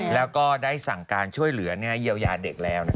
แล้วก็ได้สั่งการช่วยเหลือเยียวยาเด็กแล้ว